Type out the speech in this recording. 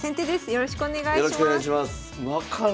よろしくお願いします。